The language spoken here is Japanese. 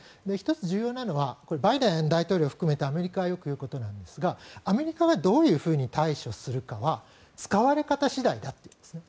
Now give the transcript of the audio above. １つ重要なのはバイデン大統領含めたアメリカがよく言うことですがアメリカはどう対処するかは使われ方次第だっていうんですね。